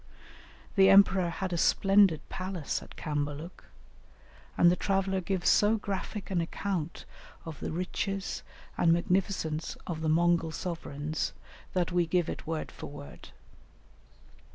The emperor had a splendid palace at Cambaluc, and the traveller gives so graphic an account of the riches and magnificence of the Mongol sovereigns, that we give it word for word.